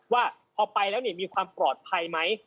ว่าพอไปแล้วมีความปลอดภัยไหม